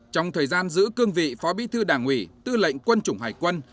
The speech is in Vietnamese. trong thời gian giữ cương vị phó bí thư đảng ủy tư lệnh quân chủng hải quân